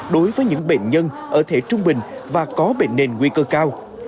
đối với những bệnh nhân ở thể trung bình và có bệnh nền nguy cơ cao